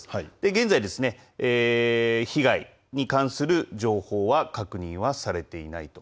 現在、被害に関する情報は確認はされていないと。